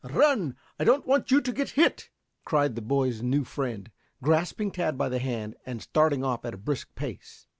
"Run! I don't want you to get hit," cried the boy's new friend, grasping Tad by the hand and starting off at a brisk pace.